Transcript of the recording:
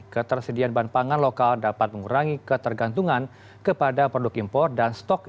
ketersediaan bahan pangan lokal dapat mengurangi ketergantungan kepada produk impor dan stok